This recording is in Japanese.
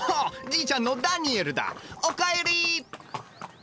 じいちゃんのダニエルだ！お帰り！